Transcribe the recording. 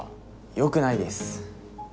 よくないです。